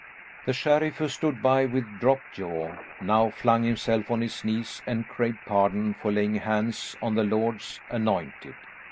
The sheriff who stood by with dropped jaw, now flung himself on his knees and craved pardon for laying hands on the Lord's anointed.